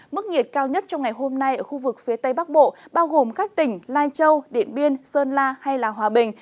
mức nhiệt cao nhất trong ngày hôm nay ở khu vực phía tây bắc bộ bao gồm các tỉnh lai châu điện biên sơn la hay hòa bình